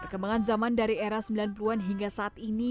perkembangan zaman dari era sembilan puluh an hingga saat ini